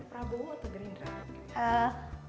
prabowo atau gerindra